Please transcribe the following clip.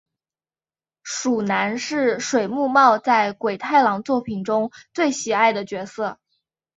鼠男是水木茂在鬼太郎作品中最喜爱的角色。